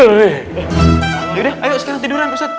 udah ayo sekarang tiduran ustadz